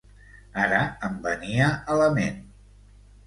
Ara em venia a la ment...